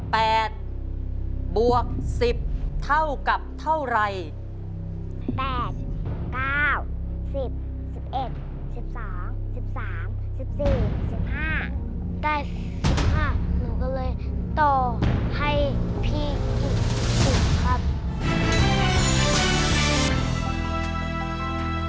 ๗บวก๘บวก๑๐เท่ากับเท่าไหร่